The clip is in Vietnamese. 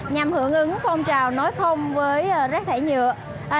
nhằm hưởng ứng phong trào nói không với rác thải nhựa